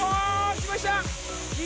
きました！